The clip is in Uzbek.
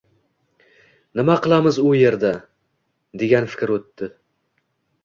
nima qilamiz u yerda, degan fikr o‘tdi.